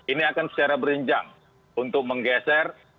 ini akan secara berinjang untuk menggeser